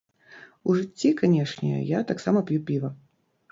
У жыцці, канешне, я таксама п'ю піва.